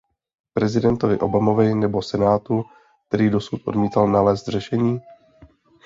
Prezidentovi Obamovi nebo Senátu, který dosud odmítal nalézt řešení?